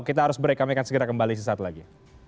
kita harus break kami akan segera kembali sesaat lagi